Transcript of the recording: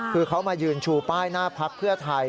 คือเขามายืนชูป้ายหน้าพักเพื่อไทย